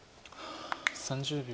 ３０秒。